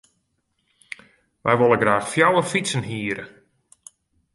Wy wolle graach fjouwer fytsen hiere.